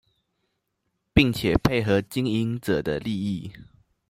並且配合經營者的利益